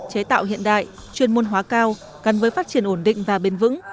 chế tạo hiện đại chuyên môn hóa cao gắn với phát triển ổn định và bền vững